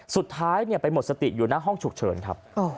สุดท้ายไปหมดสติอยู่หน้าห้องฉุกเฉินครับ